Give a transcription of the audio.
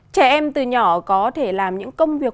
trẻ em từ nhỏ có thể làm những công việc